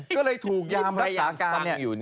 ก็เลยถูกยามรักษาการอยู่